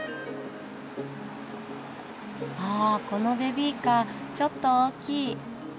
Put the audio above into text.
あっこのベビーカーちょっと大きい。